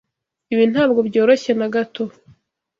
Ibi ntabwo byoroshye na gato.